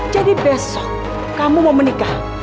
jadi besok kamu mau menikah